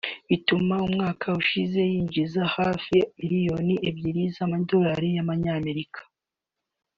bituma umwaka ushize yinjiza hafi miliyoni ebyiri z’amadorali ya Amerika